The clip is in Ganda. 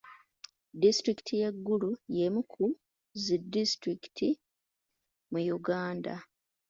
Disitulikiti y'e Gulu y'emu ku zi disitulikiti mu Uganda.